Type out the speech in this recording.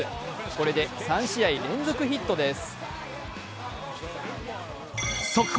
これで３試合連続ヒットです。